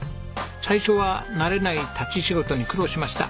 最初は慣れない立ち仕事に苦労しました。